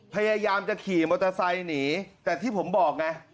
พยายามจะขี่มอเตอร์ไซค์หนีแต่ที่ผมบอกไง